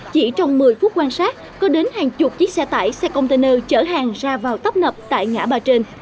chỉ trong một mươi phút quan sát có đến hàng chục chiếc xe tải xe container chở hàng ra vào tấp nập tại ngã ba trên